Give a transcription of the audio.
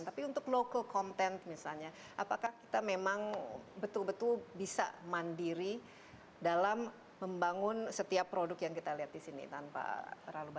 tapi untuk local content misalnya apakah kita memang betul betul bisa mandiri dalam membangun setiap produk yang kita lihat di sini tanpa terlalu banyak